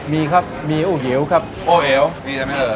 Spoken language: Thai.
มีครับมีอู้เหยียวครับอู้เหยียวมีใช่ไหมเอ่ย